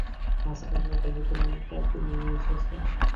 আচ্ছা, আচ্ছা, আচ্ছা, দেখি তুমি কাকে নিয়ে এসেছো!